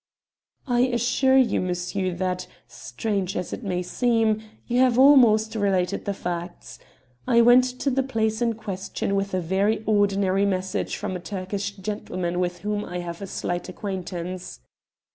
"I assure you, monsieur, that, strange as it may seem, you have almost related the facts. I went to the place in question with a very ordinary message from a Turkish gentleman with whom I have a slight acquaintance.